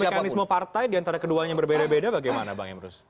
bahwa ada mekanisme partai diantara keduanya berbeda beda bagaimana bang imrus